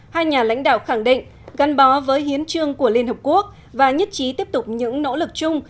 bốn hai thủ tướng khẳng định gắn bó với hiến trương của liên hợp quốc và nhất trí tiếp tục những nỗ lực chung